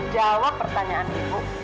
jawab pertanyaan ibu